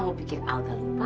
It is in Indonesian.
kamu bikin alda lupa